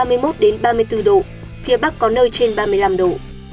nhiệt độ cao nhất từ ba mươi một đến ba mươi bốn độ phía bắc có nơi trên ba mươi năm độ